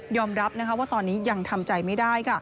รับว่าตอนนี้ยังทำใจไม่ได้